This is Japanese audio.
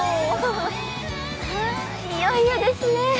いよいよですね。